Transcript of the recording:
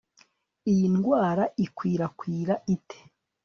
Iyi ndwara ikwirakwira ite